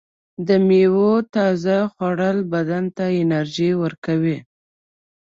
د میوو تازه خوړل بدن ته انرژي ورکوي.